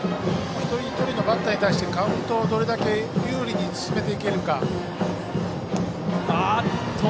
一人一人のバッターに対してカウントをどれだけ有利に進めていけるか。